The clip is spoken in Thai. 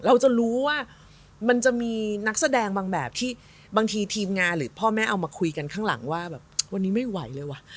เราจะรู้ว่ามันจะมีนักแสดงบางแบบที่บางทีทีมงานหรือพ่อแม่เอามาคุยกันข้างหลังว่าแบบวันนี้ไม่ไหวเลยวะ